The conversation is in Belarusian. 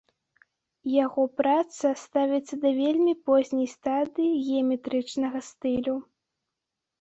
Яго праца ставіцца да вельмі позняй стадыі геаметрычнага стылю.